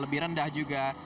lebih rendah juga